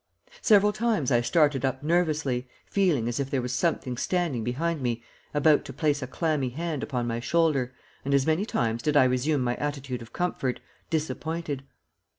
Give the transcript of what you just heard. Several times I started up nervously, feeling as if there was something standing behind me about to place a clammy hand upon my shoulder, and as many times did I resume my attitude of comfort, disappointed.